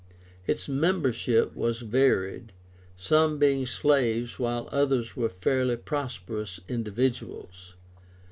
Its membership was varied, some being slaves while others were fairly prosperous individuals.